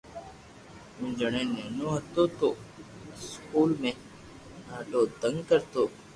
ھون جڻي نينو ھتو تو اسڪول مي ڌاڌو تنگ ڪرتو